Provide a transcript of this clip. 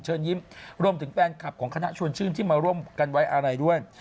ยิ้มรวมถึงแฟนคลับของคณะชวนชื่นที่มาร่วมกันไว้อะไรด้วย